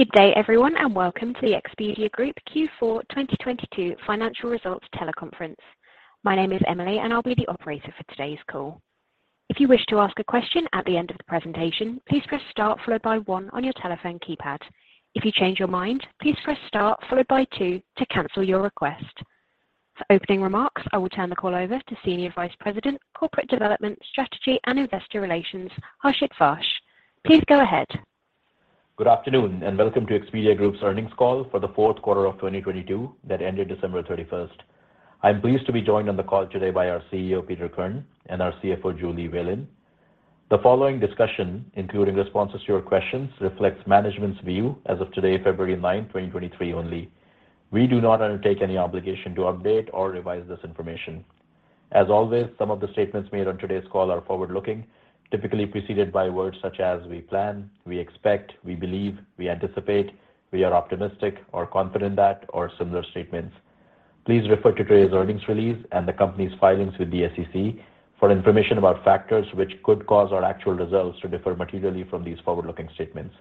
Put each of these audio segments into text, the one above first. Good day everyone, and welcome to the Expedia Group Q4 2022 financial results teleconference. My name is Emily, and I'll be the operator for today's call. If you wish to ask a question at the end of the presentation, please press Start followed by one on your telephone keypad. If you change your mind, please press Start followed by two to cancel your request. For opening remarks, I will turn the call over to Senior Vice President, Corporate Development Strategy and Investor Relations, Harshit Vaish. Please go ahead. Good afternoon, and welcome to Expedia Group's earnings call for the fourth quarter of 2022 that ended December 31st. I'm pleased to be joined on the call today by our CEO, Peter Kern, and our CFO, Julie Whalen. The following discussion, including responses to your questions, reflects management's view as of today, February 9th, 2023 only. We do not undertake any obligation to update or revise this information. As always, some of the statements made on today's call are forward-looking, typically preceded by words such as "we plan," "we expect," "we believe," "we anticipate," "we are optimistic" or "confident that," or similar statements. Please refer to today's earnings release and the company's filings with the SEC for information about factors which could cause our actual results to differ materially from these forward-looking statements.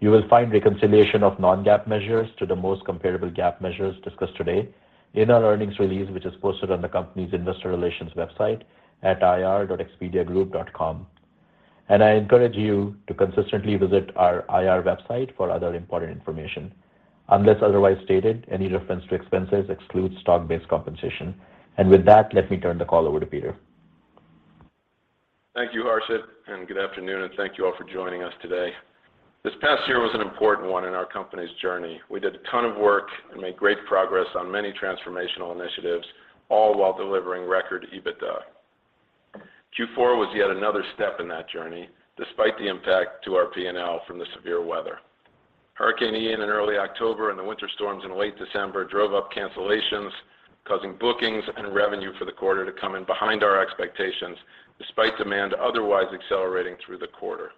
You will find reconciliation of non-GAAP measures to the most comparable GAAP measures discussed today in our earnings release, which is posted on the company's investor relations website at ir.expediagroup.com. I encourage you to consistently visit our IR website for other important information. Unless otherwise stated, any reference to expenses excludes stock-based compensation. With that, let me turn the call over to Peter. Thank you, Harshit, and good afternoon, and thank you all for joining us today. This past year was an important one in our company's journey. We did a ton of work and made great progress on many transformational initiatives, all while delivering record EBITDA. Q4 was yet another step in that journey despite the impact to our P&L from the severe weather. Hurricane Ian in early October and the winter storms in late December drove up cancellations, causing bookings and revenue for the quarter to come in behind our expectations despite demand otherwise accelerating through the quarter.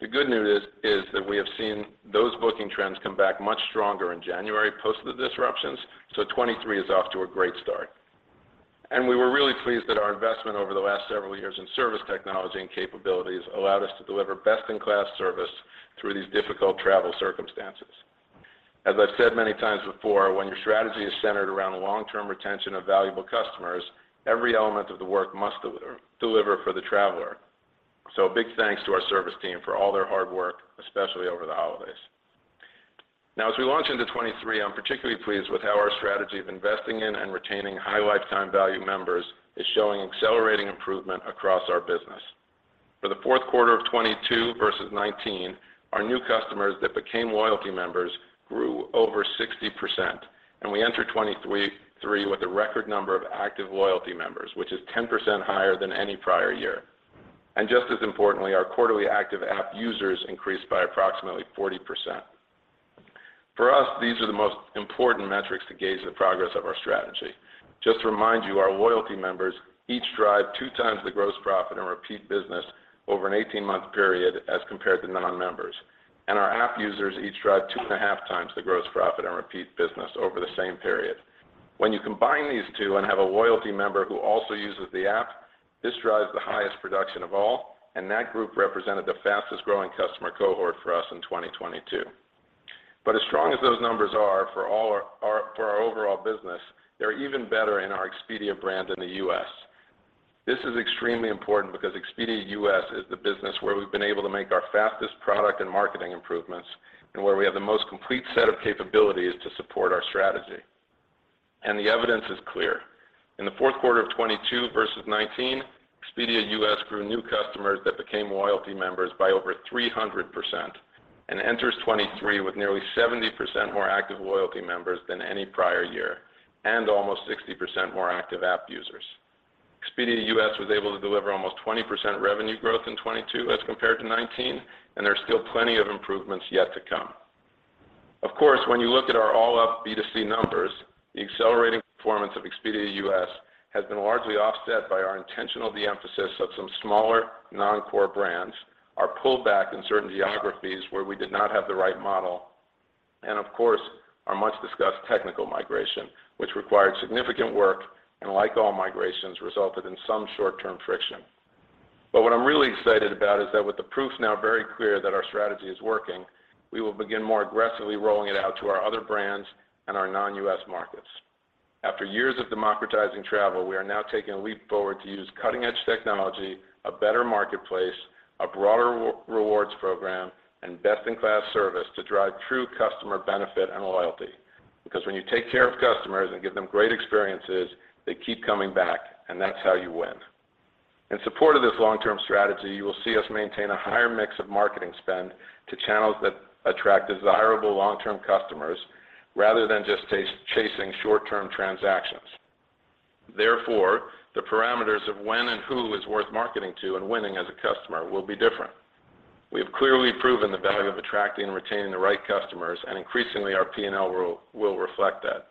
The good news is that we have seen those booking trends come back much stronger in January post the disruptions. 2023 is off to a great start. We were really pleased that our investment over the last several years in service technology and capabilities allowed us to deliver best-in-class service through these difficult travel circumstances. As I've said many times before, when your strategy is centered around long-term retention of valuable customers, every element of the work must deliver for the traveler. A big thanks to our service team for all their hard work, especially over the holidays. Now as we launch into 2023, I'm particularly pleased with how our strategy of investing in and retaining high lifetime value members is showing accelerating improvement across our business. For the fourth quarter of 2022 versus 2019, our new customers that became loyalty members grew over 60%, we enter 2023 with a record number of active loyalty members, which is 10% higher than any prior year. Just as importantly, our quarterly active app users increased by approximately 40%. For us, these are the most important metrics to gauge the progress of our strategy. Just to remind you, our loyalty members each drive two times the gross profit and repeat business over an 18-month period as compared to non-members. Our app users each drive 2.5x the gross profit and repeat business over the same period. When you combine these two and have a loyalty member who also uses the app, this drives the highest production of all, and that group represented the fastest-growing customer cohort for us in 2022. As strong as those numbers are for our overall business, they're even better in our Expedia brand in the U.S. This is extremely important because Expedia US is the business where we've been able to make our fastest product and marketing improvements and where we have the most complete set of capabilities to support our strategy. The evidence is clear. In the fourth quarter of 2022 versus 2019, Expedia US grew new customers that became loyalty members by over 300% and enters 2023 with nearly 70% more active loyalty members than any prior year and almost 60% more active app users. Expedia US was able to deliver almost 20% revenue growth in 2022 as compared to 2019, and there's still plenty of improvements yet to come. Of course, when you look at our all-up B2C numbers, the accelerating performance of Expedia US has been largely offset by our intentional de-emphasis of some smaller non-core brands, our pullback in certain geographies where we did not have the right model, and of course, our much-discussed technical migration, which required significant work and like all migrations, resulted in some short-term friction. What I'm really excited about is that with the proof now very clear that our strategy is working, we will begin more aggressively rolling it out to our other brands and our non-U.S. markets. After years of democratizing travel, we are now taking a leap forward to use cutting-edge technology, a better marketplace, a broader rewards program, and best-in-class service to drive true customer benefit and loyalty. Because when you take care of customers and give them great experiences, they keep coming back, and that's how you win. In support of this long-term strategy, you will see us maintain a higher mix of marketing spend to channels that attract desirable long-term customers rather than just chasing short-term transactions. Therefore, the parameters of when and who is worth marketing to and winning as a customer will be different. We have clearly proven the value of attracting and retaining the right customers, and increasingly our P&L will reflect that.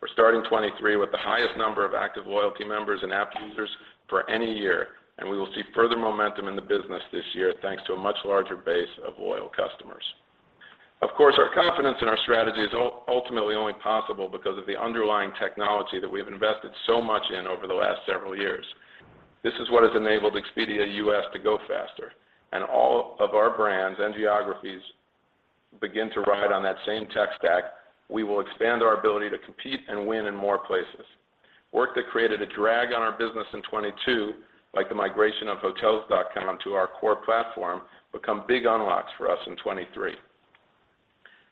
We're starting 2023 with the highest number of active loyalty members and app users for any year, and we will see further momentum in the business this year, thanks to a much larger base of loyal customers. Of course, our confidence in our strategy is ultimately only possible because of the underlying technology that we have invested so much in over the last several years. This is what has enabled Expedia US to go faster, and all of our brands and geographies begin to ride on that same tech stack, we will expand our ability to compete and win in more places. Work that created a drag on our business in 2022, like the migration of Hotels.com to our core platform, become big unlocks for us in 2023.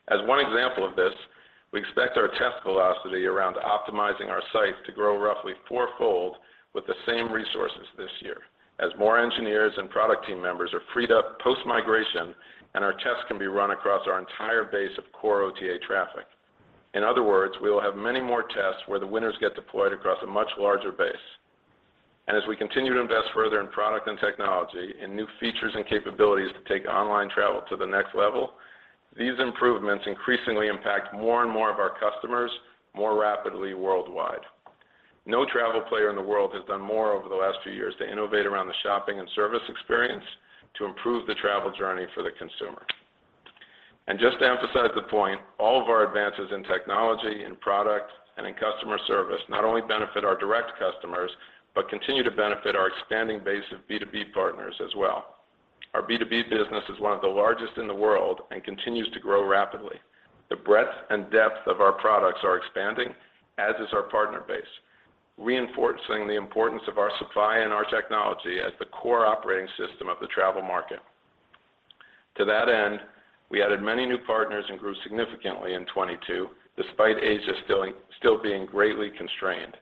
As one example of this, we expect our test velocity around optimizing our sites to grow roughly four-fold with the same resources this year as more engineers and product team members are freed up post-migration and our tests can be run across our entire base of core OTA traffic. In other words, we will have many more tests where the winners get deployed across a much larger base. As we continue to invest further in product and technology and new features and capabilities to take online travel to the next level, these improvements increasingly impact more and more of our customers more rapidly worldwide. No travel player in the world has done more over the last few years to innovate around the shopping and service experience to improve the travel journey for the consumer. Just to emphasize the point, all of our advances in technology, in product, and in customer service not only benefit our direct customers, but continue to benefit our expanding base of B2B partners as well. Our B2B business is one of the largest in the world and continues to grow rapidly. The breadth and depth of our products are expanding, as is our partner base, reinforcing the importance of our supply and our technology as the core operating system of the travel market. To that end, we added many new partners and grew significantly in 2022, despite Asia still being greatly constrained.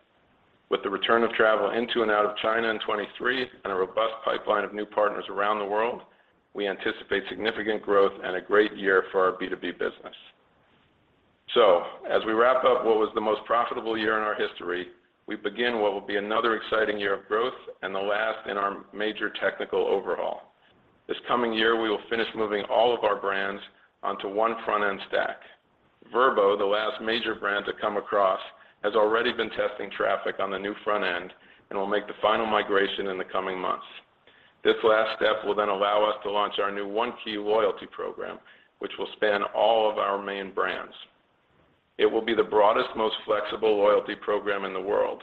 With the return of travel into and out of China in 2023 and a robust pipeline of new partners around the world, we anticipate significant growth and a great year for our B2B business. As we wrap up what was the most profitable year in our history, we begin what will be another exciting year of growth and the last in our major technical overhaul. This coming year, we will finish moving all of our brands onto one front-end stack. Vrbo, the last major brand to come across, has already been testing traffic on the new front end and will make the final migration in the coming months. This last step will then allow us to launch our new One Key loyalty program, which will span all of our main brands. It will be the broadest, most flexible loyalty program in the world,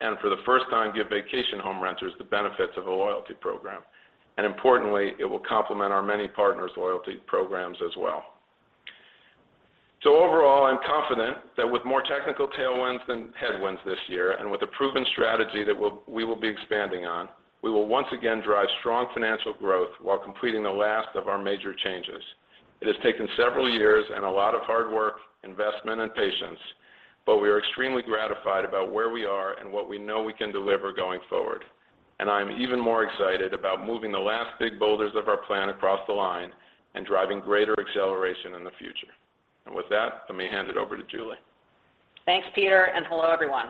and for the first time give vacation home renters the benefits of a loyalty program. Importantly, it will complement our many partners' loyalty programs as well. Overall, I'm confident that with more technical tailwinds than headwinds this year and with a proven strategy that we will be expanding on, we will once again drive strong financial growth while completing the last of our major changes. It has taken several years and a lot of hard work, investment and patience, but we are extremely gratified about where we are and what we know we can deliver going forward. I'm even more excited about moving the last big boulders of our plan across the line and driving greater acceleration in the future. With that, let me hand it over to Julie. Thanks, Peter. Hello, everyone.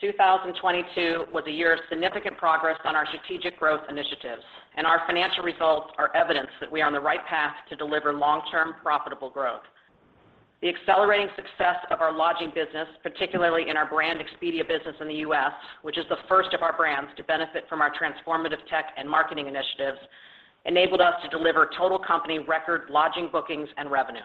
2022 was a year of significant progress on our strategic growth initiatives. Our financial results are evidence that we are on the right path to deliver long-term profitable growth. The accelerating success of our lodging business, particularly in our brand Expedia business in the U.S., which is the first of our brands to benefit from our transformative tech and marketing initiatives, enabled us to deliver total company record lodging bookings and revenue.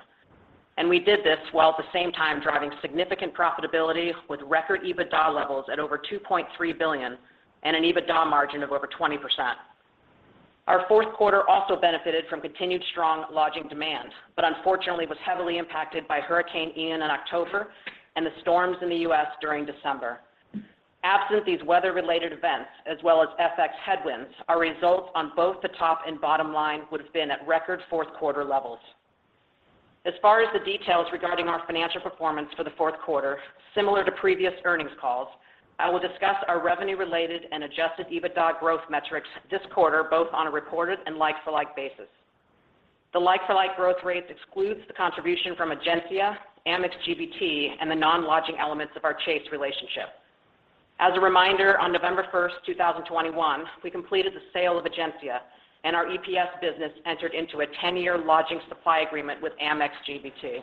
We did this while at the same time driving significant profitability with record EBITDA levels at over $2.3 billion and an EBITDA margin of over 20%. Our fourth quarter also benefited from continued strong lodging demand, unfortunately was heavily impacted by Hurricane Ian in October and the storms in the U.S. during December. Absent these weather-related events, as well as FX headwinds, our results on both the top and bottom line would have been at record fourth quarter levels. As far as the details regarding our financial performance for the fourth quarter, similar to previous earnings calls, I will discuss our revenue-related and adjusted EBITDA growth metrics this quarter, both on a reported and like-for-like basis. The like-for-like growth rate excludes the contribution from Egencia, Amex GBT, and the non-lodging elements of our Chase relationship. As a reminder, on November 1st, 2021, we completed the sale of Egencia, and our EPS business entered into a 10-year lodging supply agreement with Amex GBT.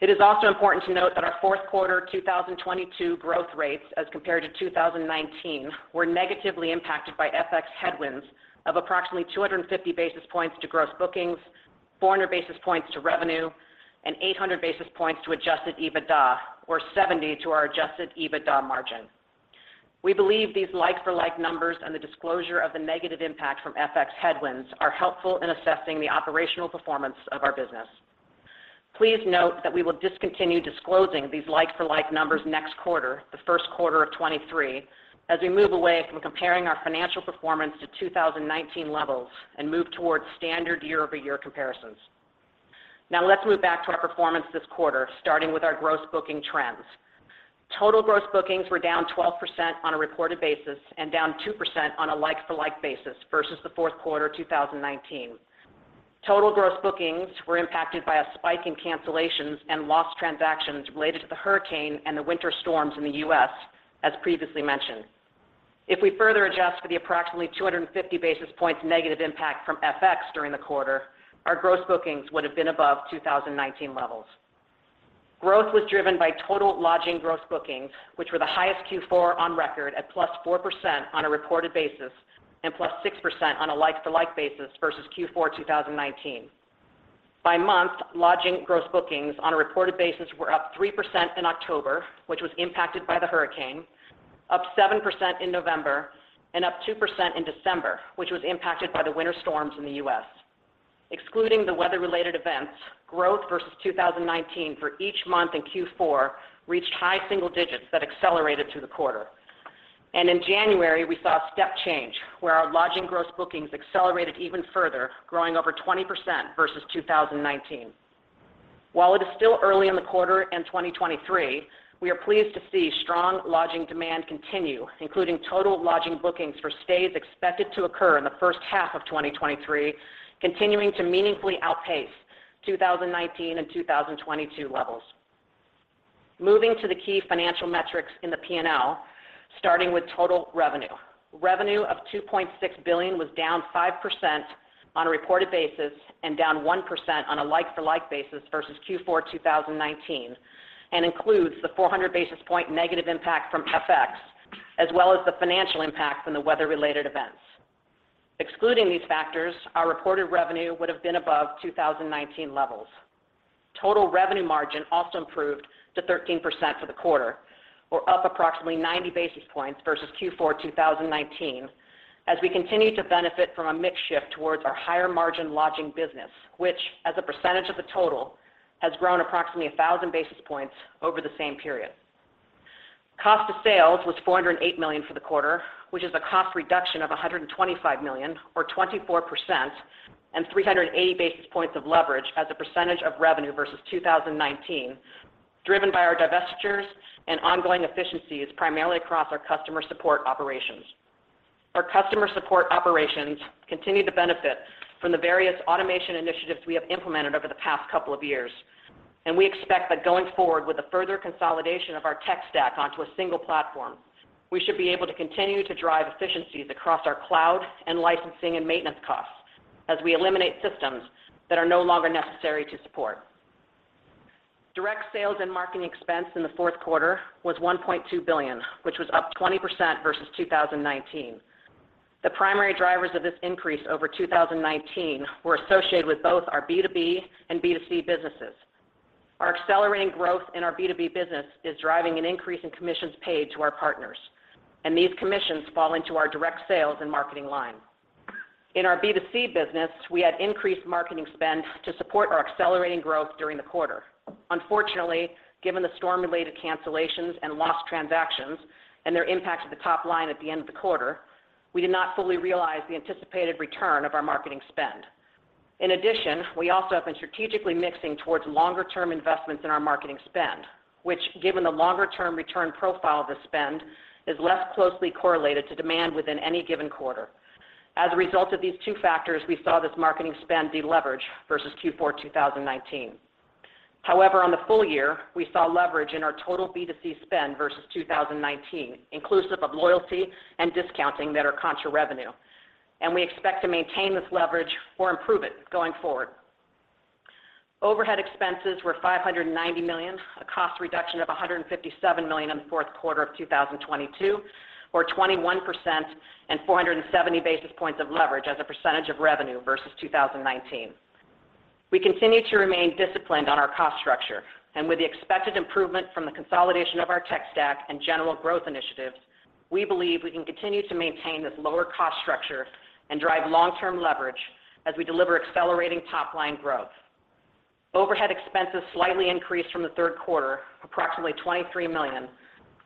It is also important to note that our fourth quarter 2022 growth rates as compared to 2019 were negatively impacted by FX headwinds of approximately 250 basis points to gross bookings, 400 basis points to revenue, and 800 basis points to adjusted EBITDA, or 70 to our adjusted EBITDA margin. We believe these like-for-like numbers and the disclosure of the negative impact from FX headwinds are helpful in assessing the operational performance of our business. Please note that we will discontinue disclosing these like-for-like numbers next quarter, the first quarter of 2023, as we move away from comparing our financial performance to 2019 levels and move towards standard year-over-year comparisons. Now let's move back to our performance this quarter, starting with our gross booking trends. Total gross bookings were down 12% on a reported basis and down 2% on a like-for-like basis versus the fourth quarter 2019. Total gross bookings were impacted by a spike in cancellations and lost transactions related to the hurricane and the winter storms in the U.S., as previously mentioned. If we further adjust for the approximately 250 basis points negative impact from FX during the quarter, our gross bookings would have been above 2019 levels. Growth was driven by total lodging gross bookings, which were the highest Q4 on record at +4% on a reported basis and +6% on a like-for-like basis versus Q4 2019. By month, lodging gross bookings on a reported basis were up 3% in October, which was impacted by the hurricane, up 7% in November, and up 2% in December, which was impacted by the winter storms in the U.S. Excluding the weather-related events, growth versus 2019 for each month in Q4 reached high single digits that accelerated through the quarter. In January, we saw a step change where our lodging gross bookings accelerated even further, growing over 20% versus 2019. While it is still early in the quarter and 2023, we are pleased to see strong lodging demand continue, including total lodging bookings for stays expected to occur in the first half of 2023 continuing to meaningfully outpace 2019 and 2022 levels. Moving to the key financial metrics in the P&L, starting with total revenue. Revenue of $2.6 billion was down 5% on a reported basis and down 1% on a like-for-like basis versus Q4 2019 and includes the 400 basis point negative impact from FX as well as the financial impact from the weather-related events. Excluding these factors, our reported revenue would have been above 2019 levels. Total revenue margin also improved to 13% for the quarter or up approximately 90 basis points versus Q4 2019 as we continue to benefit from a mix shift towards our higher margin lodging business, which as a percentage of the total has grown approximately 1,000 basis points over the same period. Cost of sales was $408 million for the quarter, which is a cost reduction of $125 million or 24% and 380 basis points of leverage as a percentage of revenue versus 2019, driven by our divestitures and ongoing efficiencies primarily across our customer support operations. Our customer support operations continue to benefit from the various automation initiatives we have implemented over the past couple of years. We expect that going forward with a further consolidation of our tech stack onto a single platform, we should be able to continue to drive efficiencies across our cloud and licensing and maintenance costs as we eliminate systems that are no longer necessary to support. Direct sales and marketing expense in the fourth quarter was $1.2 billion, which was up 20% versus 2019. The primary drivers of this increase over 2019 were associated with both our B2B and B2C businesses. Our accelerating growth in our B2B business is driving an increase in commissions paid to our partners. These commissions fall into our direct sales and marketing line. In our B2C business, we had increased marketing spend to support our accelerating growth during the quarter. Unfortunately, given the storm-related cancellations and lost transactions and their impact to the top line at the end of the quarter, we did not fully realize the anticipated return of our marketing spend. In addition, we also have been strategically mixing towards longer-term investments in our marketing spend, which given the longer-term return profile of the spend is less closely correlated to demand within any given quarter. As a result of these two factors, we saw this marketing spend deleverage versus Q4 2019. On the full year, we saw leverage in our total B2C spend versus 2019, inclusive of loyalty and discounting that are contra revenue, and we expect to maintain this leverage or improve it going forward. Overhead expenses were $590 million, a cost reduction of $157 million in the fourth quarter of 2022, or 21% and 470 basis points of leverage as a percentage of revenue versus 2019. We continue to remain disciplined on our cost structure, and with the expected improvement from the consolidation of our tech stack and general growth initiatives, we believe we can continue to maintain this lower cost structure and drive long-term leverage as we deliver accelerating top-line growth. Overhead expenses slightly increased from the third quarter, approximately $23 million,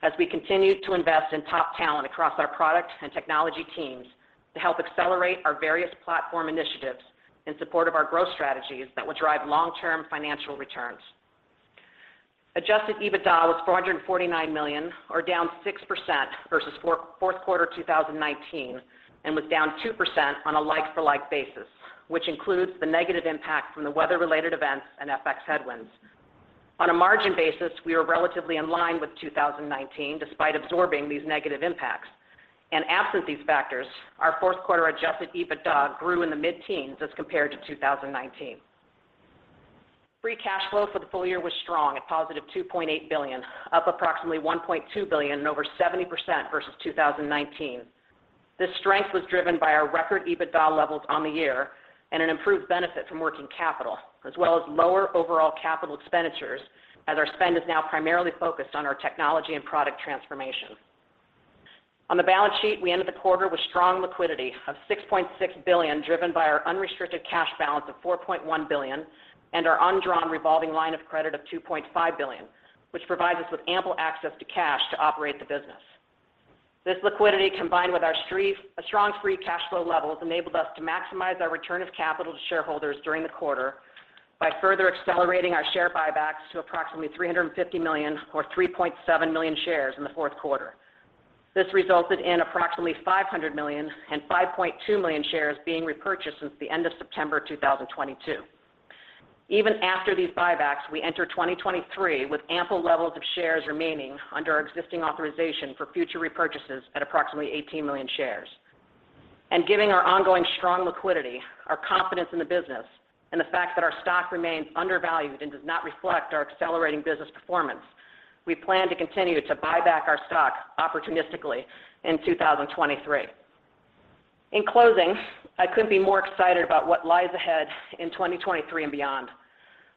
as we continued to invest in top talent across our product and technology teams to help accelerate our various platform initiatives in support of our growth strategies that will drive long-term financial returns. Adjusted EBITDA was $449 million, or down 6% versus fourth quarter 2019, and was down 2% on a like-for-like basis, which includes the negative impact from the weather-related events and FX headwinds. On a margin basis, we are relatively in line with 2019 despite absorbing these negative impacts. Absent these factors, our fourth quarter adjusted EBITDA grew in the mid-teens as compared to 2019. Free cash flow for the full year was strong at positive $2.8 billion, up approximately $1.2 billion and over 70% versus 2019. This strength was driven by our record EBITDA levels on the year and an improved benefit from working capital, as well as lower overall capital expenditures as our spend is now primarily focused on our technology and product transformation. On the balance sheet, we ended the quarter with strong liquidity of $6.6 billion, driven by our unrestricted cash balance of $4.1 billion and our undrawn revolving line of credit of $2.5 billion, which provides us with ample access to cash to operate the business. This liquidity, combined with our strong free cash flow levels, enabled us to maximize our return of capital to shareholders during the quarter by further accelerating our share buybacks to approximately $350 million or $3.7 million shares in the fourth quarter. This resulted in approximately $500 million and $5.2 million shares being repurchased since the end of September 2022. Even after these buybacks, we enter 2023 with ample levels of shares remaining under our existing authorization for future repurchases at approximately $18 million shares. Given our ongoing strong liquidity, our confidence in the business, and the fact that our stock remains undervalued and does not reflect our accelerating business performance, we plan to continue to buy back our stock opportunistically in 2023. In closing, I couldn't be more excited about what lies ahead in 2023 and beyond.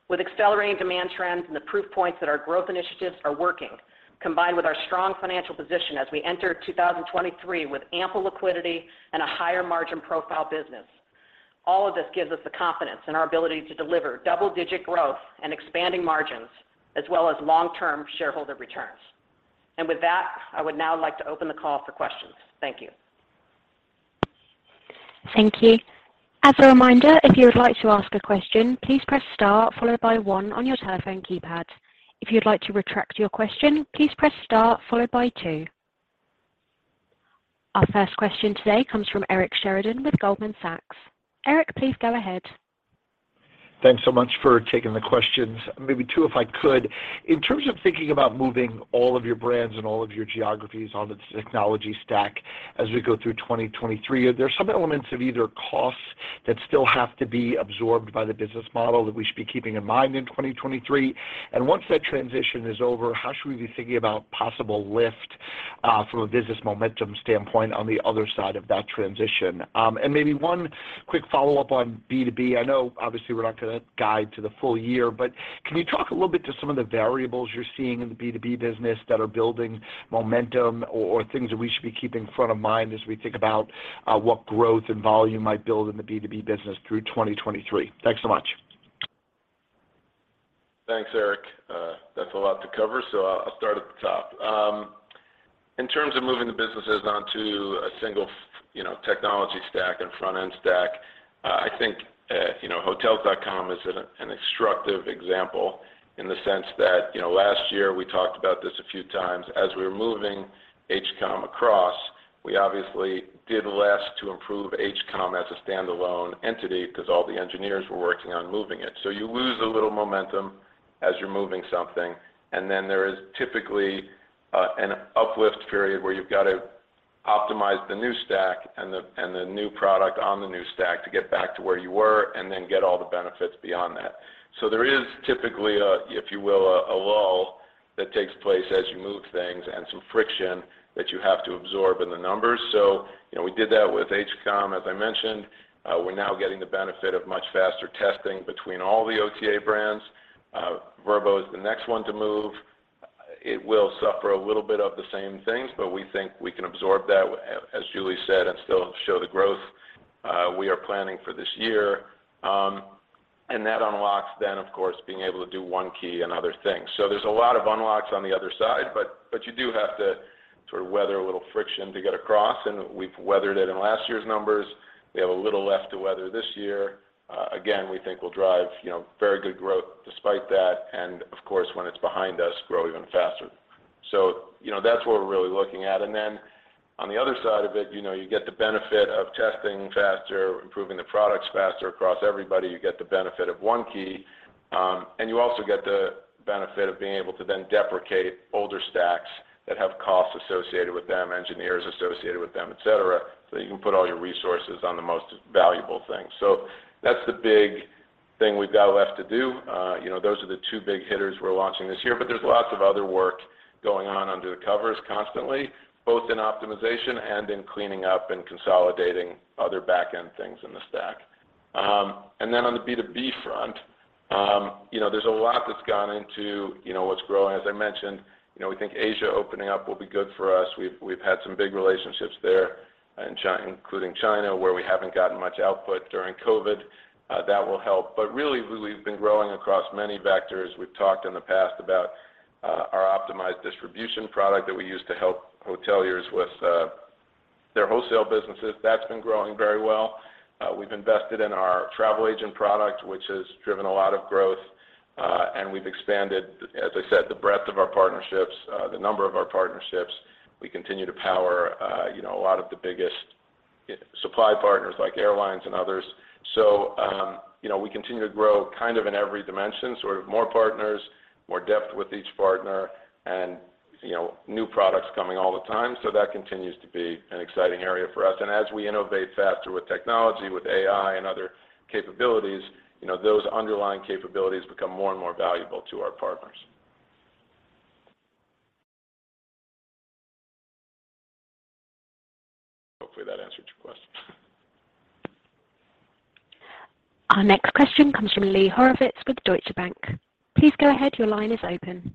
With accelerating demand trends and the proof points that our growth initiatives are working, combined with our strong financial position as we enter 2023 with ample liquidity and a higher margin profile business, all of this gives us the confidence in our ability to deliver double-digit growth and expanding margins as well as long-term shareholder returns. With that, I would now like to open the call for questions. Thank you. Thank you. As a reminder, if you would like to ask a question, please press star followed by one on your telephone keypad. If you'd like to retract your question, please press star followed by two. Our first question today comes from Eric Sheridan with Goldman Sachs. Eric, please go ahead. Thanks so much for taking the questions. Maybe two, if I could. In terms of thinking about moving all of your brands and all of your geographies on the technology stack as we go through 2023, are there some elements of either costs that still have to be absorbed by the business model that we should be keeping in mind in 2023? Once that transition is over, how should we be thinking about possible lift, from a business momentum standpoint on the other side of that transition? Maybe one quick follow-up on B2B. I know obviously we're not going to guide to the full year, can you talk a little bit to some of the variables you're seeing in the B2B business that are building momentum or things that we should be keeping front of mind as we think about what growth and volume might build in the B2B business through 2023? Thanks so much. Thanks, Eric. That's a lot to cover, so I'll start at the top. In terms of moving the businesses onto a single you know, technology stack and front-end stack, I think, you know, Hotels.com is an instructive example in the sense that, you know, last year we talked about this a few times. As we were moving Hotels.com across, we obviously did less to improve Hotels.com as a standalone entity because all the engineers were working on moving it. You lose a little momentum as you're moving something, and then there is typically an uplift period where you've got to optimize the new stack and the new product on the new stack to get back to where you were and then get all the benefits beyond that. There is typically a, if you will, a lull that takes place as you move things and some friction that you have to absorb in the numbers. You know, we did that with Hotels.com, as I mentioned. We're now getting the benefit of much faster testing between all the OTA brands. Vrbo is the next one to move. It will suffer a little bit of the same things, but we think we can absorb that, as Julie said, and still show the growth we are planning for this year. That unlocks then, of course, being able to do One Key and other things. There's a lot of unlocks on the other side, but you do have to sort of weather a little friction to get across, and we've weathered it in last year's numbers. We have a little left to weather this year. Again, we think we'll drive, you know, very good growth despite that, and of course, when it's behind us, grow even faster. You know, that's what we're really looking at. Then on the other side of it, you know, you get the benefit of testing faster, improving the products faster across everybody. You get the benefit of One Key, and you also get the benefit of being able to then deprecate older stacks that have costs associated with them, engineers associated with them, et cetera, so you can put all your resources on the most valuable things. That's the big thing we've got left to do. You know, those are the two big hitters we're launching this year. There's lots of other work going on under the covers constantly, both in optimization and in cleaning up and consolidating other back-end things in the stack. And then on the B2B front, you know, there's a lot that's gone into, you know, what's growing. As I mentioned, you know, we think Asia opening up will be good for us. We've, we've had some big relationships there including China, where we haven't gotten much output during COVID. That will help. Really been growing across many vectors. We've talked in the past about our optimized distribution product that we use to help hoteliers with their wholesale businesses. That's been growing very well. We've invested in our travel agent product, which has driven a lot of growth, and we've expanded, as I said, the breadth of our partnerships, the number of our partnerships. We continue to power, you know, a lot of the biggest supply partners like airlines and others. You know, we continue to grow kind of in every dimension, sort of more partners, more depth with each partner and, you know, new products coming all the time. That continues to be an exciting area for us. As we innovate faster with technology, with AI and other capabilities, you know, those underlying capabilities become more and more valuable to our partners. Hopefully that answered your question? Our next question comes from Lee Horowitz with Deutsche Bank. Please go ahead, your line is open.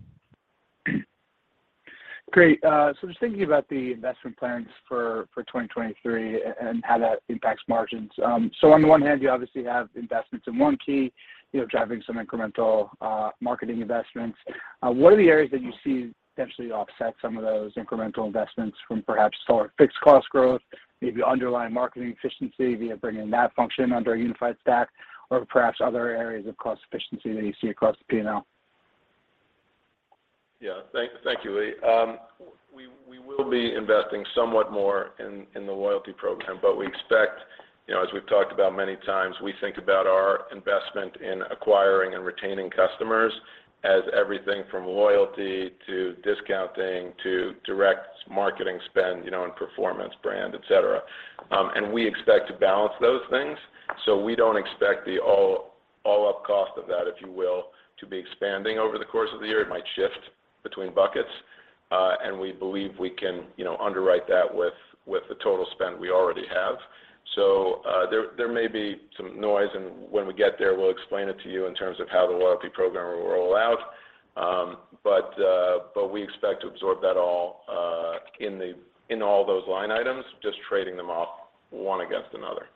Great. Just thinking about the investment plans for 2023 and how that impacts margins. On the one hand, you obviously have investments in One Key, you know, driving some incremental marketing investments. What are the areas that you see potentially offset some of those incremental investments from perhaps slower fixed cost growth, maybe underlying marketing efficiency via bringing that function under a unified stack, or perhaps other areas of cost efficiency that you see across the P&L? Thank you, Lee. We will be investing somewhat more in the loyalty program, but we expect, you know, as we've talked about many times, we think about our investment in acquiring and retaining customers as everything from loyalty to discounting to direct marketing spend, you know, and performance brand, et cetera. We expect to balance those things. So we don't expect the all up cost of that, if you will, to be expanding over the course of the year. It might shift between buckets, and we believe we can, you know, underwrite that with the total spend we already have. There may be some noise and when we get there, we'll explain it to you in terms of how the loyalty program will roll out. We expect to absorb that all in all those line items, just trading them off one against another.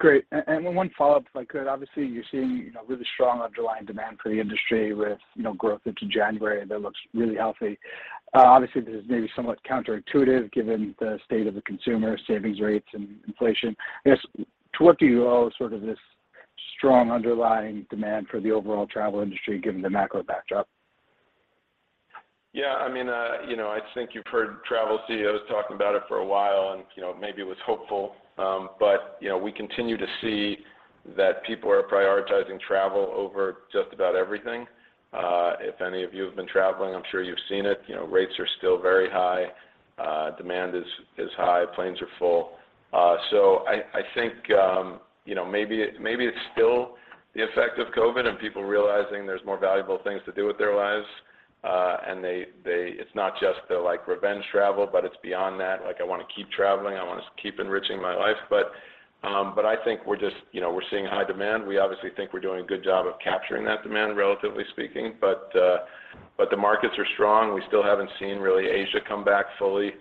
Great. One follow-up, if I could. Obviously, you're seeing, you know, really strong underlying demand for the industry with, you know, growth into January that looks really healthy. Obviously, this is maybe somewhat counterintuitive given the state of the consumer savings rates and inflation. I guess, to what do you owe sort of this strong underlying demand for the overall travel industry given the macro backdrop? Yeah, I mean, you know, I think you've heard travel CEOs talking about it for a while and, you know, maybe it was hopeful. You know, we continue to see that people are prioritizing travel over just about everything. If any of you have been traveling, I'm sure you've seen it. You know, rates are still very high. Demand is high. Planes are full. I think, you know, maybe it's still the effect of COVID and people realizing there's more valuable things to do with their lives. They. It's not just the, like, revenge travel, but it's beyond that. Like, I wanna keep traveling, I wanna keep enriching my life. But I think we're just, you know, we're seeing high demand. We obviously think we're doing a good job of capturing that demand, relatively speaking. The markets are strong. We still haven't seen really Asia come back fully.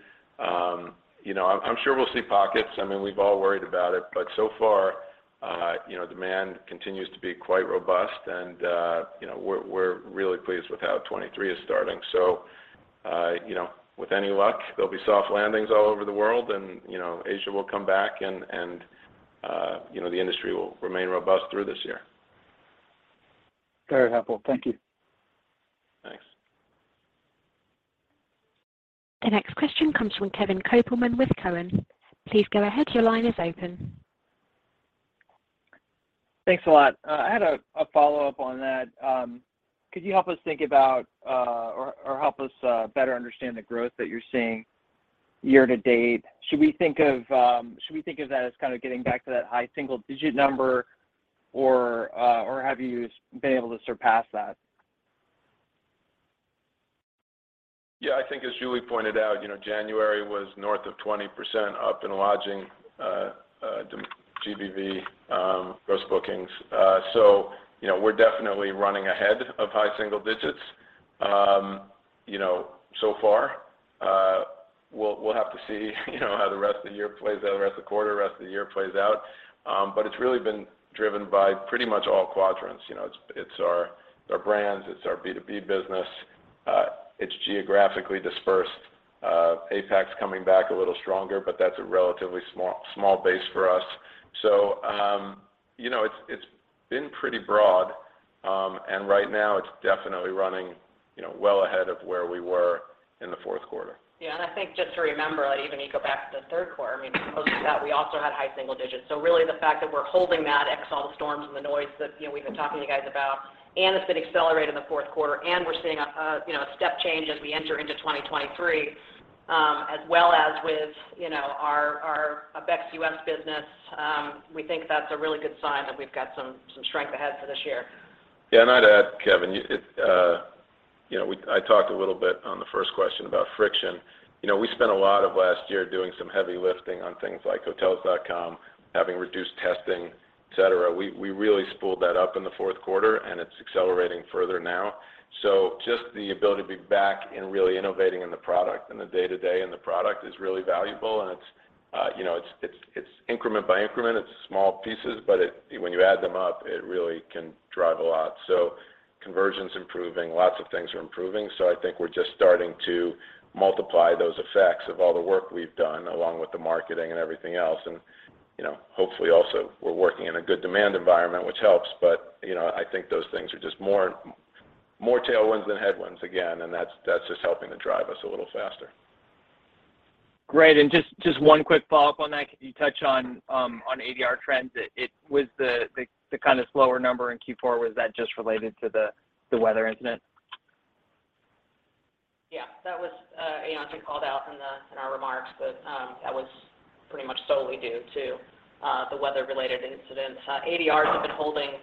You know, I'm sure we'll see pockets. I mean, we've all worried about it, but so far, you know, demand continues to be quite robust and, you know, we're really pleased with how 2023 is starting. You know, with any luck, there'll be soft landings all over the world and, you know, Asia will come back and, you know, the industry will remain robust through this year. Very helpful. Thank you. Thanks. The next question comes from Kevin Kopelman with Cowen. Please go ahead, your line is open. Thanks a lot. I had a follow-up on that. Could you help us think about, or help us better understand the growth that you're seeing year to date? Should we think of that as kind of getting back to that high single digit number, or have you been able to surpass that? I think as Julie pointed out, you know, January was north of 20% up in lodging, GBV, gross bookings. You know, we're definitely running ahead of high single digits, you know, so far. We'll have to see, you know, how the rest of the year plays out, the rest of the quarter, the rest of the year plays out. It's really been driven by pretty much all quadrants. You know, it's our brands, it's our B2B business, it's geographically dispersed. APAC's coming back a little stronger, but that's a relatively small base for us. You know, it's been pretty broad, and right now it's definitely running, you know, well ahead of where we were in the fourth quarter. I think just to remember, like even you go back to the third quarter, I mean, close to that, we also had high single digits. Really the fact that we're holding that ex all the storms and the noise that, you know, we've been talking to you guys about, and it's been accelerated in the fourth quarter, and we're seeing a, you know, a step change as we enter into 2023, as well as with, you know, our Apex US business, we think that's a really good sign that we've got some strength ahead for this year. I'd add, Kevin, you know, I talked a little bit on the first question about friction. You know, we spent a lot of last year doing some heavy lifting on things like Hotels.com, having reduced testing, et cetera. We really spooled that up in the fourth quarter, and it's accelerating further now. Just the ability to be back and really innovating in the product and the day-to-day in the product is really valuable. It's, you know, it's increment by increment. It's small pieces, but when you add them up, it really can drive a lot. Conversion's improving, lots of things are improving. I think we're just starting to multiply those effects of all the work we've done along with the marketing and everything else. You know, hopefully also we're working in a good demand environment, which helps. You know, I think those things are just more tailwinds than headwinds again, and that's just helping to drive us a little faster. Great. just one quick follow-up on that. Could you touch on on ADR trends? With the kind of slower number in Q4, was that just related to the weather incident? Yeah. That was, you know, as we called out in our remarks, that was pretty much solely due to the weather related incidents. ADRs have been holding,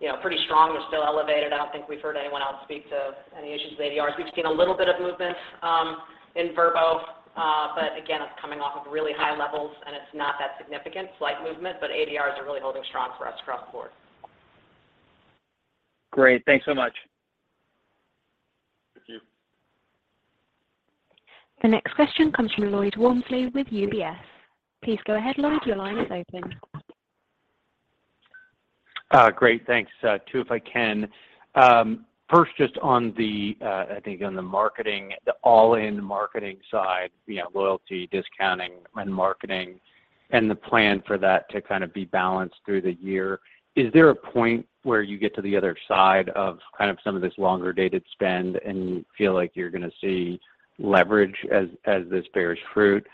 you know, pretty strong. They're still elevated. I don't think we've heard anyone else speak to any issues with ADRs. We've seen a little bit of movement, in Vrbo, but again, it's coming off of really high levels, and it's not that significant. Slight movement, ADRs are really holding strong for us across the board. Great. Thanks so much. Thank you. The next question comes from Lloyd Walmsley with UBS. Please go ahead, Lloyd, your line is open. Great. Thanks. Two, if I can. First, just on the, I think on the marketing, the all-in marketing side, you know, loyalty, discounting, and marketing, and the plan for that to kind of be balanced through the year. Is there a point where you get to the other side of kind of some of this longer dated spend and feel like you're gonna see leverage as this bears fruit?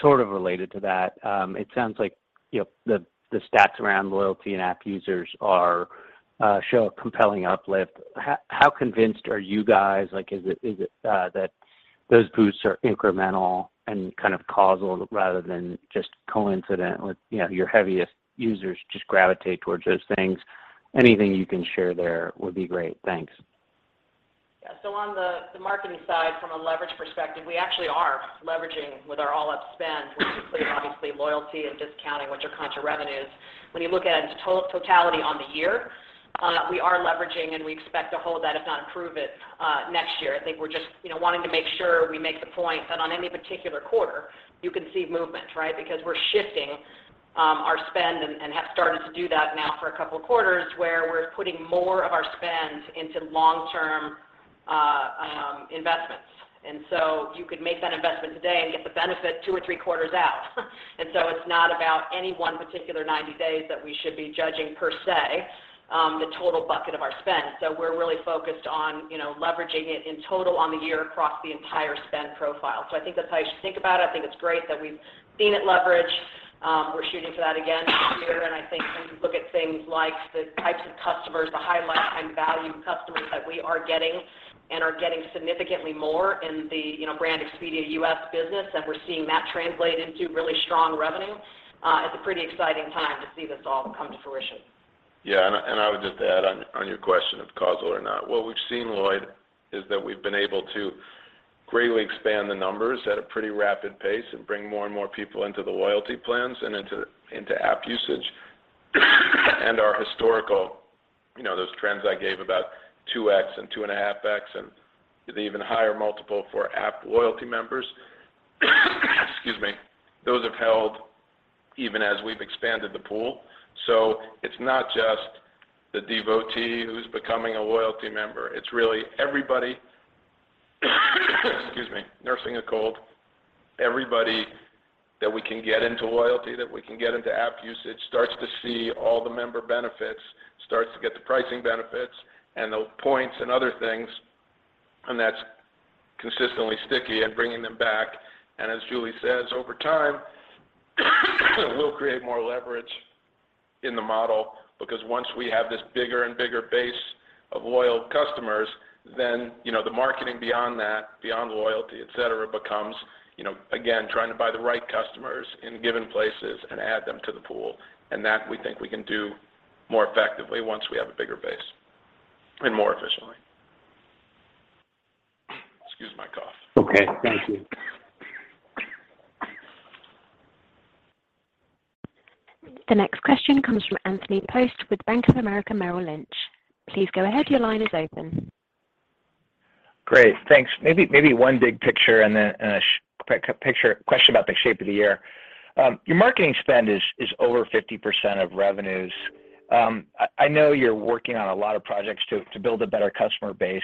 Sort of related to that, it sounds like, you know, the stats around loyalty and app users are show a compelling uplift. How convinced are you guys? Like, is it that those boosts are incremental and kind of causal rather than just coincident with, you know, your heaviest users just gravitate towards those things? Anything you can share there would be great. Thanks. On the marketing side, from a leverage perspective, we actually are leveraging with our all-up spend, which includes obviously loyalty and discounting, which are contra revenue. When you look at it in total-totality on the year, we are leveraging, and we expect to hold that, if not improve it, next year. I think we're just, you know, wanting to make sure we make the point that on any particular quarter you can see movement, right? Because we're shifting our spend and have started to do that now for a couple of quarters, where we're putting more of our spend into long-term investments. You could make that investment today and get the benefit two or three quarters out. It's not about any one particular 90 days that we should be judging, per se, the total bucket of our spend. We're really focused on, you know, leveraging it in total on the year across the entire spend profile. I think that's how you should think about it. I think it's great that we've seen it leverage. We're shooting for that again this year. I think when you look at things like the types of customers, the high lifetime value customers that we are getting and are getting significantly more in the, you know, brand Expedia US business, and we're seeing that translate into really strong revenue, it's a pretty exciting time to see this all come to fruition. I would just add on your question of causal or not. What we've seen, Lloyd, is that we've been able to greatly expand the numbers at a pretty rapid pace and bring more and more people into the loyalty plans and into app usage. Our historical, you know, those trends I gave about 2x and 2.5x, and the even higher multiple for app loyalty members, excuse me. Those have held even as we've expanded the pool. It's not just the devotee who's becoming a loyalty member, it's really everybody, excuse me, nursing a cold. Everybody that we can get into loyalty, that we can get into app usage, starts to see all the member benefits, starts to get the pricing benefits and the points and other things, and that's consistently sticky at bringing them back. As Julie says, over time, we'll create more leverage in the model because once we have this bigger and bigger base of loyal customers, then, you know, the marketing beyond that, beyond loyalty, et cetera, becomes, you know, again, trying to buy the right customers in given places and add them to the pool. That we think we can do more effectively once we have a bigger base and more efficiently. Excuse my cough. Okay, thank you. The next question comes from Anthony Post with Bank of America Merrill Lynch. Please go ahead. Your line is open. Great. Thanks. Maybe one big picture and then, and a picture question about the shape of the year. Your marketing spend is over 50% of revenues. I know you're working on a lot of projects to build a better customer base.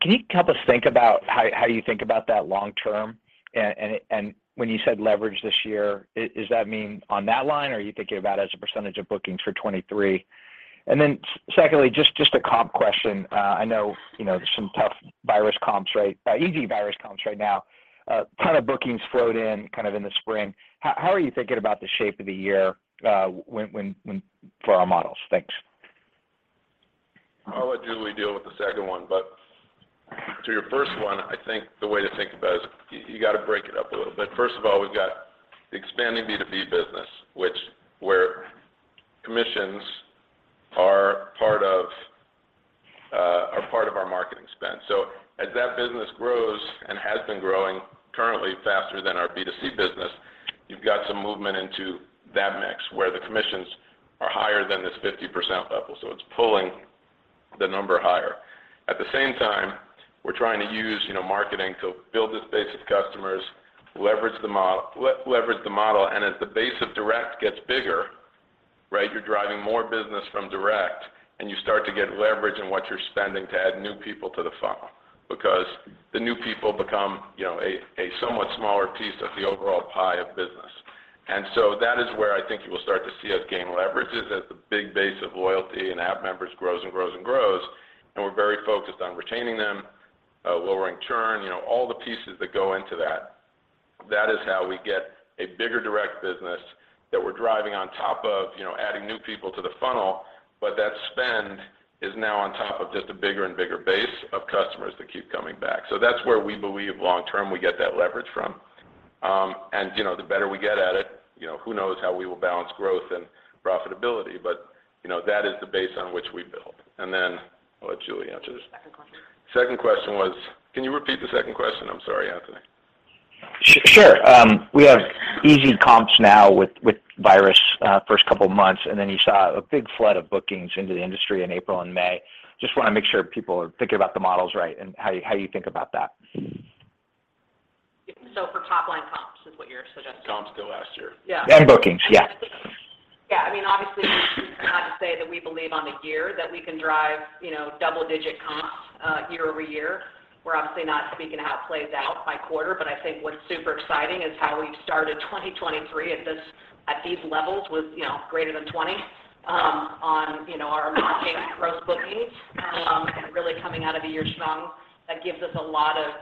Can you help us think about how you think about that long term? When you said leverage this year, is that mean on that line, or are you thinking about as a percentage of bookings for 2023? Secondly, just a comp question. I know, you know, there's some tough virus comps, right? Easy virus comps right now. Ton of bookings flowed in kind of in the spring. How are you thinking about the shape of the year, when for our models? Thanks. I'll let Julie deal with the second one, but to your first one, I think the way to think about it is you gotta break it up a little bit. First of all, we've got the expanding B2B business, which where commissions are part of, are part of our marketing spend. As that business grows and has been growing currently faster than our B2C business, you've got some movement into that mix where the commissions are higher than this 50% level, so it's pulling the number higher. At the same time, we're trying to use, you know, marketing to build this base of customers, leverage the model, leverage the model, and as the base of direct gets bigger, right, you're driving more business from direct, and you start to get leverage in what you're spending to add new people to the funnel because the new people become, you know, a somewhat smaller piece of the overall pie of business. That is where I think you will start to see us gain leverages as the big base of loyalty and app members grows and grows and grows. We're very focused on retaining them, lowering churn, you know, all the pieces that go into that. That is how we get a bigger direct business that we're driving on top of, you know, adding new people to the funnel. That spend is now on top of just a bigger and bigger base of customers that keep coming back. That's where we believe long term we get that leverage from. You know, the better we get at it, you know, who knows how we will balance growth and profitability. You know, that is the base on which we build. Then I'll let Julie answer this. Second question. Can you repeat the second question? I'm sorry, Anthony. Sure. We have easy comps now with virus, first couple of months. You saw a big flood of bookings into the industry in April and May. Just wanna make sure people are thinking about the models right and how you think about that. For top line comps is what you're suggesting. Comps to last year. Yeah. Bookings. Yeah. Bookings. Yeah. I mean, obviously, not to say that we believe on the year that we can drive, you know, double-digit comps year-over-year. We're obviously not speaking to how it plays out by quarter, but I think what's super exciting is how we've started 2023 at this, at these levels with, you know, greater than 20% on, you know, our marketing gross bookings, and really coming out of the year strong. That gives us a lot of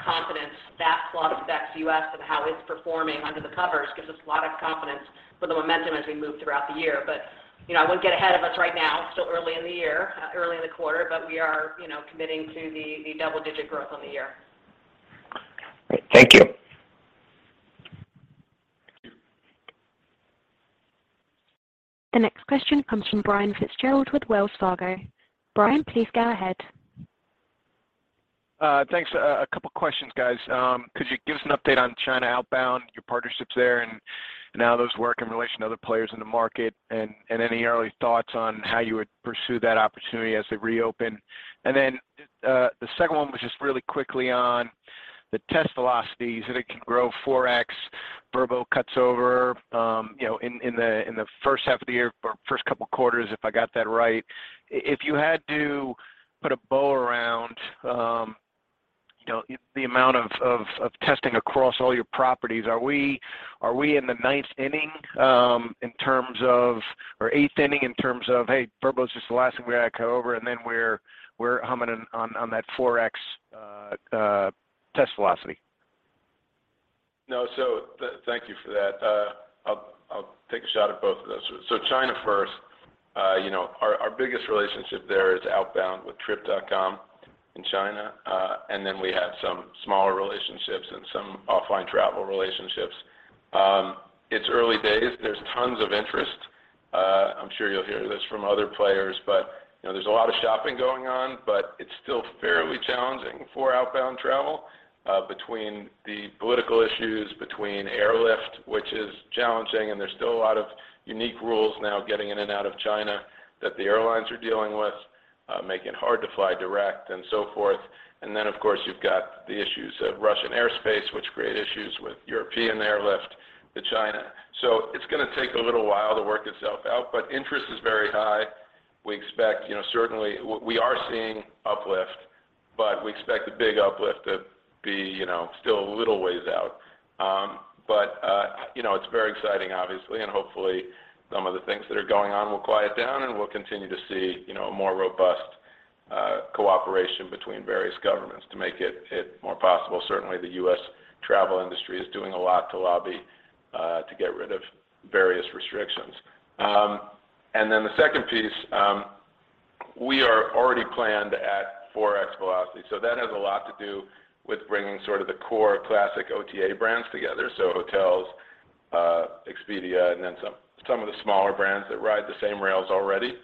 confidence. That plus back to U.S. and how it's performing under the covers gives us a lot of confidence for the momentum as we move throughout the year. You know, I wouldn't get ahead of us right now. Still early in the year, early in the quarter, but we are, you know, committing to the double-digit growth on the year. Great. Thank you. The next question comes from Brian Fitzgerald with Wells Fargo. Brian, please go ahead. Thanks. A couple questions, guys. Could you give us an update on China outbound, your partnerships there, and how those work in relation to other players in the market, and any early thoughts on how you would pursue that opportunity as they reopen? The second one was just really quickly on the test velocities, you said it can grow 4x. Vrbo cuts over, you know, in the first half of the year or first couple quarters, if I got that right. If you had to put a bow around, you know, the amount of testing across all your properties, are we in the ninth inning, in terms of... or eighth inning in terms of, hey, Vrbo is just the last thing we gotta cut over and then we're humming on that 4x test velocity? No. Thank you for that. I'll take a shot at both of those. China first, you know, our biggest relationship there is outbound with Trip.com in China. We have some smaller relationships and some offline travel relationships. It's early days. There's tons of interest. I'm sure you'll hear this from other players, you know, there's a lot of shopping going on, it's still fairly challenging for outbound travel, between the political issues, between airlift, which is challenging, and there's still a lot of unique rules now getting in and out of China that the airlines are dealing with, making it hard to fly direct and so forth. Of course, you've got the issues of Russian airspace, which create issues with European airlift to China. It's gonna take a little while to work itself out, but interest is very high. We expect, you know, We are seeing uplift, but we expect the big uplift to be, you know, still a little ways out. You know, it's very exciting, obviously, and hopefully some of the things that are going on will quiet down and we'll continue to see, you know, a more robust cooperation between various governments to make it more possible. Certainly, the U.S. travel industry is doing a lot to lobby to get rid of various restrictions. Then the second piece, we are already planned at 4x velocity, so that has a lot to do with bringing sort of the core classic OTA brands together. Hotels.com, Expedia, and then some of the smaller brands that ride the same rails already.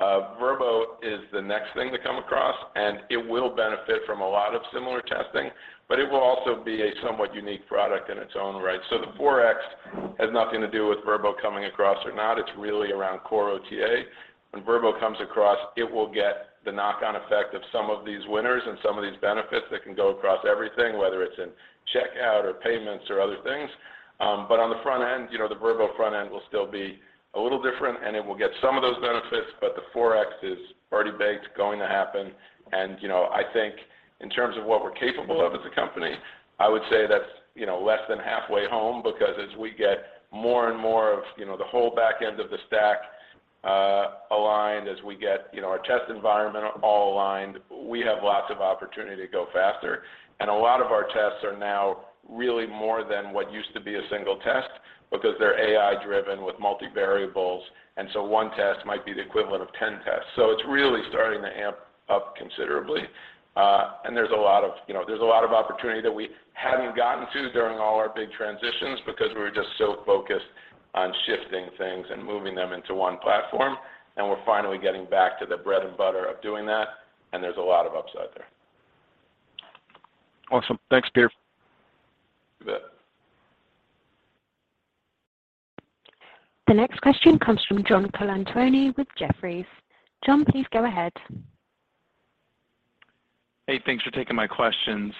Vrbo is the next thing to come across, and it will benefit from a lot of similar testing, but it will also be a somewhat unique product in its own right. The 4x has nothing to do with Vrbo coming across or not. It's really around core OTA. When Vrbo comes across, it will get the knock-on effect of some of these winners and some of these benefits that can go across everything, whether it's in checkout or payments or other things. But on the front end, you know, the Vrbo front end will still be a little different, and it will get some of those benefits, but the 4x is already baked, going to happen. You know, I think in terms of what we're capable of as a company, I would say that's, you know, less than halfway home because as we get more and more of, you know, the whole back end of the stack, aligned, as we get, you know, our test environment all aligned, we have lots of opportunity to go faster. A lot of our tests are now really more than what used to be a single test because they're AI driven with multivariables, and so one test might be the equivalent of 10 tests. It's really starting to amp up considerably. There's a lot of... you know, there's a lot of opportunity that we hadn't gotten to during all our big transitions because we were just so focused on shifting things and moving them into one platform, and we're finally getting back to the bread and butter of doing that, and there's a lot of upside there. Awesome. Thanks, Peter. You bet. The next question comes from John Colantoni with Jefferies. John, please go ahead. Thanks for taking my questions.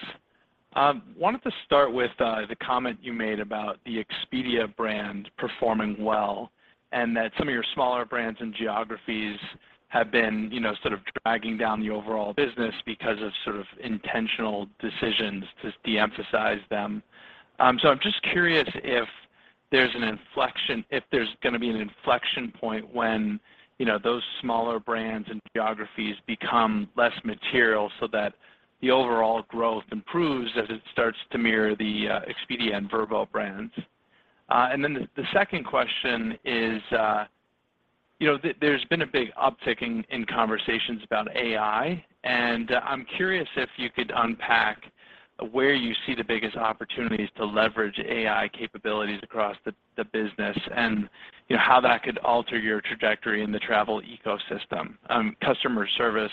Wanted to start with the comment you made about the Expedia brand performing well and that some of your smaller brands and geographies have been, you know, sort of dragging down the overall business because of sort of intentional decisions to de-emphasize them. I'm just curious if there's gonna be an inflection point when, you know, those smaller brands and geographies become less material so that the overall growth improves as it starts to mirror the Expedia and Vrbo brands. The second question is, you know, there's been a big uptick in conversations about AI, and I'm curious if you could unpack where you see the biggest opportunities to leverage AI capabilities across the business and, you know, how that could alter your trajectory in the travel ecosystem. Customer service,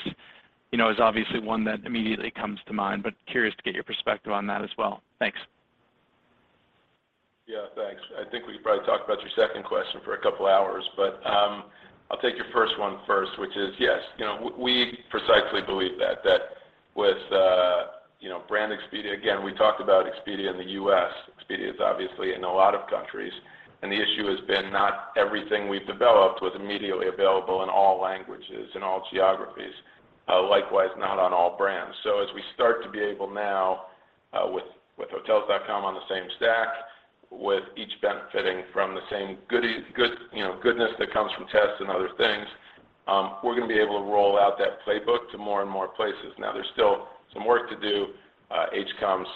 you know, is obviously one that immediately comes to mind, but curious to get your perspective on that as well. Thanks. Yeah, thanks. I think we could probably talk about your second question for a couple hours, but I'll take your first one first, which is, yes, you know, we precisely believe that with, you know, Brand Expedia, again, we talked about Expedia in the U.S. Expedia is obviously in a lot of countries, the issue has been not everything we've developed was immediately available in all languages, in all geographies, likewise, not on all brands. As we start to be able now, with Hotels.com on the same stack, with each benefiting from the same goodness that comes from tests and other things, we're gonna be able to roll out that playbook to more and more places. Now, there's still some work to do. Hcom's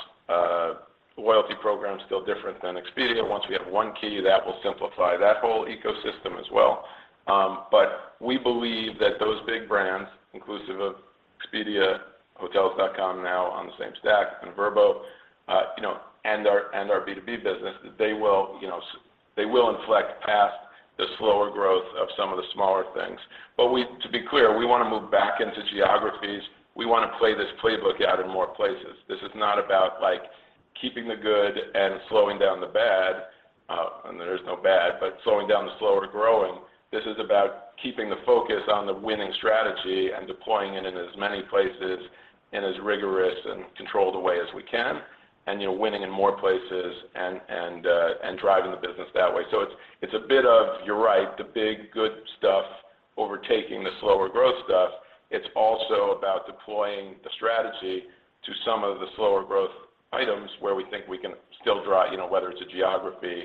loyalty program is still different than Expedia. Once we have One Key, that will simplify that whole ecosystem as well. We believe that those big brands, inclusive of Expedia, Hotels.com now on the same stack and Vrbo, you know, and our B2B business, they will inflect past the slower growth of some of the smaller things. To be clear, we wanna move back into geographies. We wanna play this playbook out in more places. This is not about, like, keeping the good and slowing down the bad, and there is no bad, but slowing down the slower growing. This is about keeping the focus on the winning strategy and deploying it in as many places in as rigorous and controlled a way as we can and, you know, winning in more places and driving the business that way. It's a bit of, you're right, the big good stuff overtaking the slower growth stuff. It's also about deploying the strategy to some of the slower growth items where we think we can still drive, you know, whether it's a geography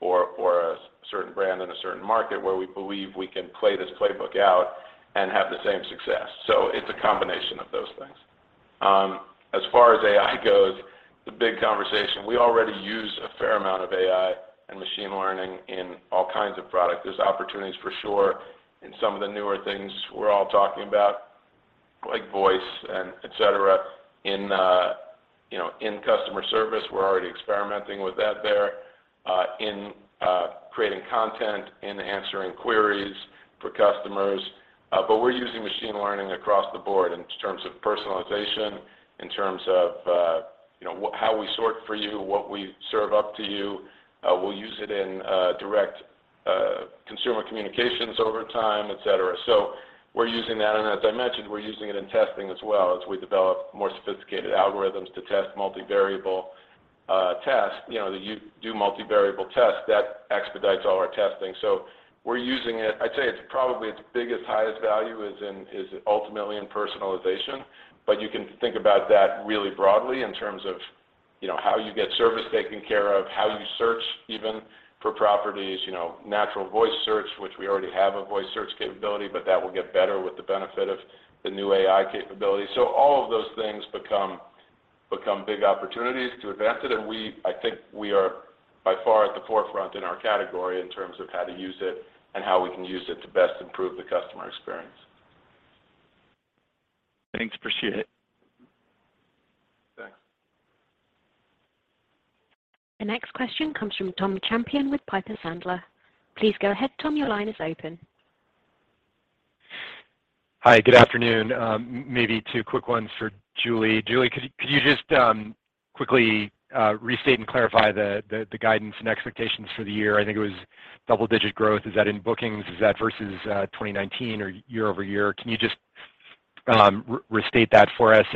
or a certain brand in a certain market where we believe we can play this playbook out and have the same success. It's a combination of those things. As far as AI goes, the big conversation, we already use a fair amount of AI and machine learning in all kinds of product. There's opportunities for sure in some of the newer things we're all talking about, like voice and et cetera, in, you know, in customer service. We're already experimenting with that there, in creating content and answering queries for customers. We're using machine learning across the board in terms of personalization, in terms of, you know, how we sort for you, what we serve up to you. We'll use it in direct consumer communications over time, et cetera. We're using that. As I mentioned, we're using it in testing as well as we develop more sophisticated algorithms to test multivariable tests. You know, you do multivariable tests, that expedites all our testing. We're using it. I'd say it's probably its biggest, highest value is ultimately in personalization. You can think about that really broadly in terms of, you know, how you get service taken care of, how you search even for properties, you know, natural voice search, which we already have a voice search capability, but that will get better with the benefit of the new AI capability. All of those things become big opportunities to advance it, I think we are by far at the forefront in our category in terms of how to use it and how we can use it to best improve the customer experience. Thanks. Appreciate it. Thanks. The next question comes from Tom Champion with Piper Sandler. Please go ahead, Tom. Your line is open. Hi. Good afternoon. Maybe two quick ones for Julie. Julie, could you just quickly restate and clarify the guidance and expectations for the year? I think it was double-digit growth. Is that in bookings? Is that versus 2019 or year over year? Can you just restate that for us?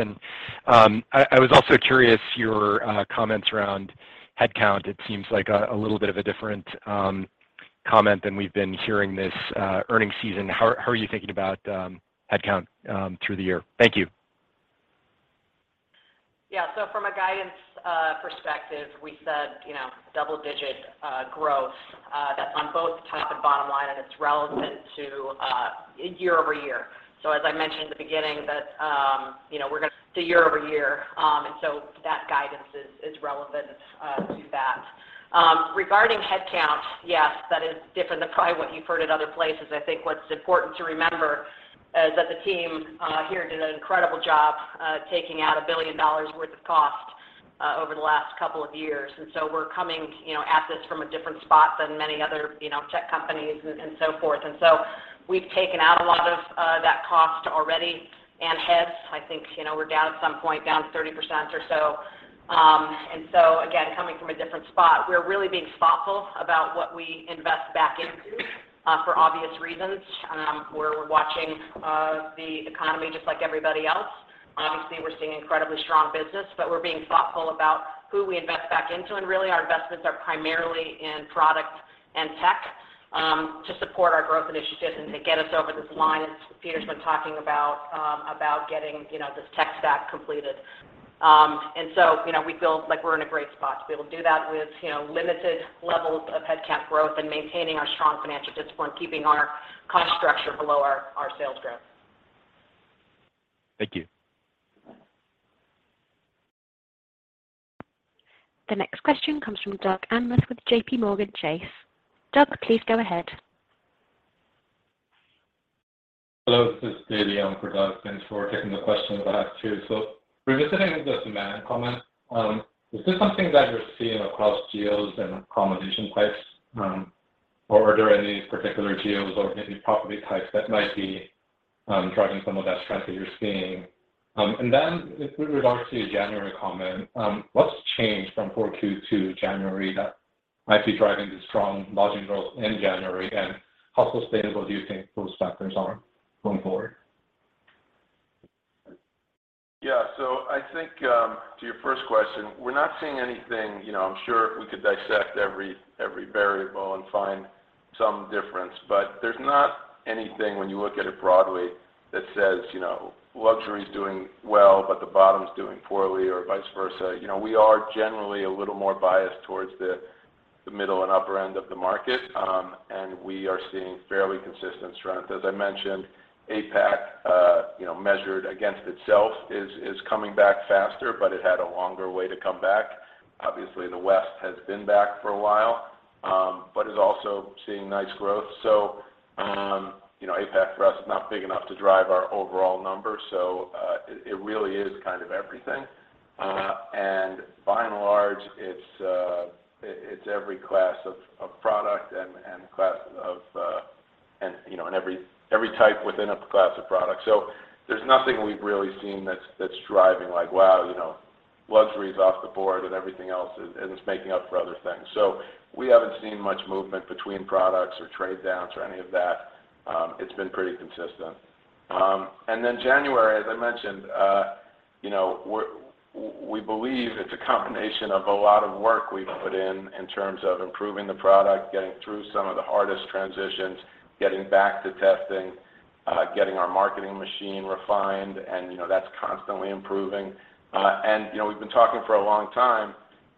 I was also curious your comments around headcount. It seems like a little bit of a different comment than we've been hearing this earnings season. How are you thinking about headcount through the year? Thank you. From a guidance perspective, we said, you know, double-digit growth. That's on both top and bottom line, and it's relevant to year-over-year. As I mentioned at the beginning that, you know, we're gonna do year-over-year, and so that guidance is relevant to that. Regarding headcount, yes, that is different than probably what you've heard at other places. I think what's important to remember is that the team here did an incredible job taking out $1 billion worth of cost over the last couple of years. We're coming, you know, at this from a different spot than many other, you know, tech companies and so forth. We've taken out a lot of that cost already and heads, I think, you know, we're down at some point down 30% or so. Again, coming from a different spot. We're really being thoughtful about what we invest back into for obvious reasons. We're, we're watching the economy just like everybody else. Obviously, we're seeing incredibly strong business, but we're being thoughtful about who we invest back into. Our investments are primarily in product and tech to support our growth initiatives and to get us over this line, as Peter's been talking about getting, you know, this tech stack completed. You know, we feel like we're in a great spot to be able to do that with, you know, limited levels of headcount growth and maintaining our strong financial discipline, keeping our cost structure below our sales growth. Thank you. The next question comes from Doug Anmuth with JPMorgan Chase. Doug, please go ahead. Hello, this is Daly on for Doug. Thanks for taking the question. I have two. Revisiting the demand comment, is this something that you're seeing across geos and accommodation types, or are there any particular geos or maybe property types that might be driving some of that strength that you're seeing? With regard to your January comment, what's changed from core to two January that might be driving the strong lodging growth in January, and how sustainable do you think those factors are going forward? Yeah. I think to your first question, we're not seeing anything. You know, I'm sure if we could dissect every variable and find some difference, but there's not anything when you look at it broadly that says, you know, luxury is doing well, but the bottom's doing poorly or vice versa. You know, we are generally a little more biased towards the middle and upper end of the market, we are seeing fairly consistent strength. As I mentioned, APAC, you know, measured against itself is coming back faster. It had a longer way to come back. Obviously, the West has been back for a while. Is also seeing nice growth. You know, APAC for us is not big enough to drive our overall numbers, so, it really is kind of everything. By and large, it's every class of product and class of, and, you know, and every type within a class of products. There's nothing we've really seen that's driving like, wow, you know, luxury is off the board and everything else is and it's making up for other things. We haven't seen much movement between products or trade downs or any of that. It's been pretty consistent. Then January, as I mentioned, you know, we believe it's a combination of a lot of work we've put in in terms of improving the product, getting through some of the hardest transitions, getting back to testing, getting our marketing machine refined, and, you know, that's constantly improving. You know, we've been talking for a long time,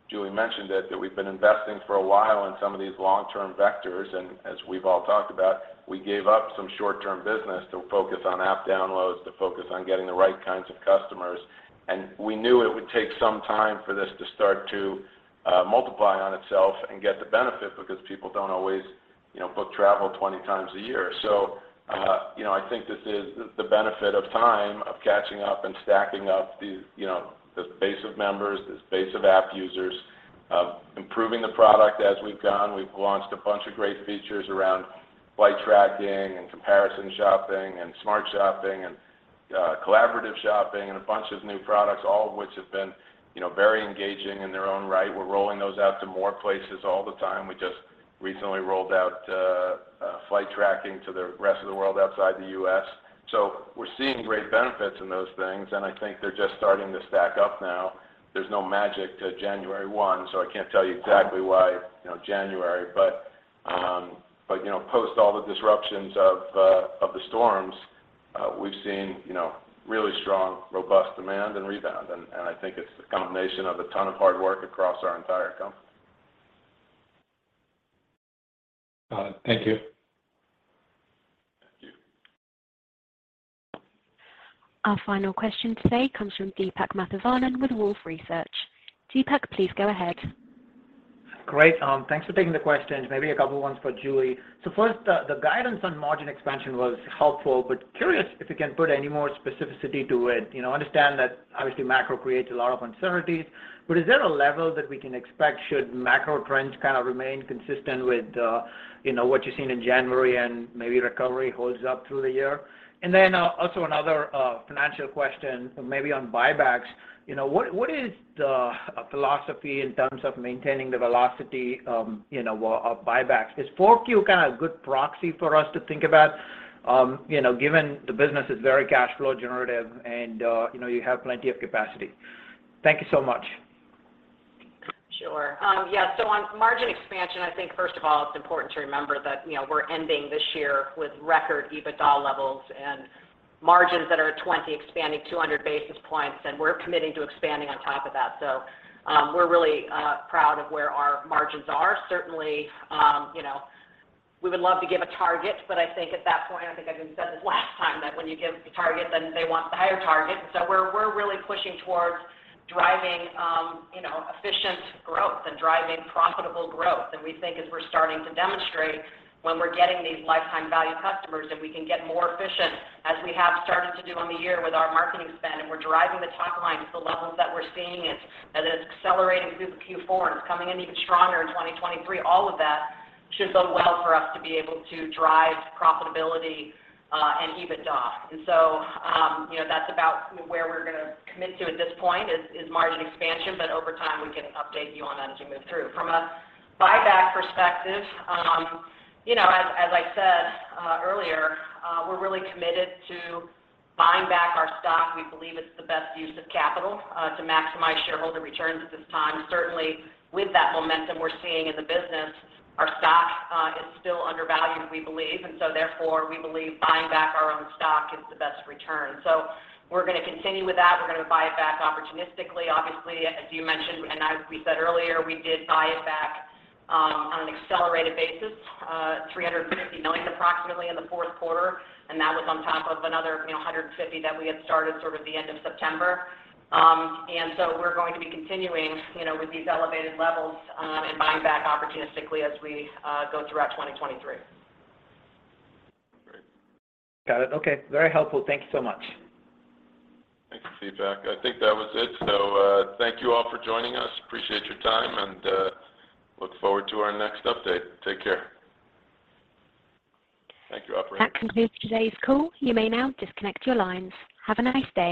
Julie mentioned it, that we've been investing for a while in some of these long-term vectors. As we've all talked about, we gave up some short-term business to focus on app downloads, to focus on getting the right kinds of customers. We knew it would take some time for this to start to multiply on itself and get the benefit because people don't always, you know, book travel 20 times a year. You know, I think this is the benefit of time of catching up and stacking up these, you know, this base of members, this base of app users, of improving the product as we've gone. We've launched a bunch of great features around flight tracking and comparison shopping, and smart shopping, and collaborative shopping, and a bunch of new products, all of which have been, you know, very engaging in their own right. We're rolling those out to more places all the time. We just recently rolled out flight tracking to the rest of the world outside the U.S. We're seeing great benefits in those things, and I think they're just starting to stack up now. There's no magic to January 1, I can't tell you exactly why, you know, January. You know, post all the disruptions of the storms, we've seen, you know, really strong, robust demand and rebound. And I think it's the combination of a ton of hard work across our entire company. All right. Thank you. Thank you. Our final question today comes from Deepak Mathavanan with Wolfe Research. Deepak, please go ahead. Great. Thanks for taking the questions. Maybe a couple ones for Julie. First, the guidance on margin expansion was helpful, but curious if you can put any more specificity to it. You know, understand that obviously macro creates a lot of uncertainties, but is there a level that we can expect should macro trends kind of remain consistent with, you know, what you're seeing in January and maybe recovery holds up through the year? Then, also another financial question, maybe on buybacks. You know, what is the philosophy in terms of maintaining the velocity, you know, of buybacks? Is 4Q kind of good proxy for us to think about, you know, given the business is very cash flow generative and, you know, you have plenty of capacity? Thank you so much. Sure. yeah. On margin expansion, I think first of all, it's important to remember that, you know, we're ending this year with record EBITDA levels and margins that are at 20 expanding 200 basis points, and we're committing to expanding on top of that. We're really proud of where our margins are. Certainly, you know, we would love to give a target, but I think at that point, I think I even said this last time, that when you give the target, then they want the higher target. We're really pushing towards driving, you know, efficient growth and driving profitable growth. We think as we're starting to demonstrate when we're getting these lifetime value customers, if we can get more efficient as we have started to do on the year with our marketing spend, and we're driving the top line to the levels that we're seeing, and it's accelerating through the Q4, and it's coming in even stronger in 2023, all of that should bode well for us to be able to drive profitability and EBITDA. You know, that's about where we're gonna commit to at this point is margin expansion, but over time, we can update you on that as we move through. From a buyback perspective, you know, as I said earlier, we're really committed to buying back our stock. We believe it's the best use of capital to maximize shareholder returns at this time. Certainly, with that momentum we're seeing in the business, our stock is still undervalued, we believe. Therefore, we believe buying back our own stock is the best return. We're gonna continue with that. We're gonna buy it back opportunistically. Obviously, as you mentioned and as we said earlier, we did buy it back on an accelerated basis, $350 million approximately in the fourth quarter, and that was on top of another, you know, $150 million that we had started sort of the end of September. We're going to be continuing, you know, with these elevated levels, and buying back opportunistically as we go throughout 2023. Great. Got it. Okay. Very helpful. Thank you so much. Thanks, Deepak. I think that was it. Thank you all for joining us. Appreciate your time, and look forward to our next update. Take care. Thank you, operator. That concludes today's call. You may now disconnect your lines. Have a nice day.